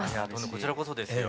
こちらこそですよ。